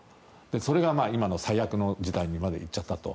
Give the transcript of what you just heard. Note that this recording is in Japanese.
それが今の最悪の事態にまで行っちゃったと。